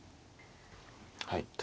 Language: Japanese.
はい。